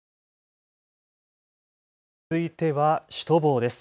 続いてはシュトボーです。